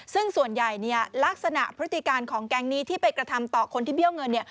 ซึ่งส่วนใหญ่ลักษณะพฤติการของแก๊งนี้ที่ไปกระทำต่อคนที่เบี้ยวเงิน